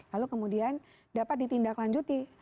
lalu kemudian dapat ditindaklanjuti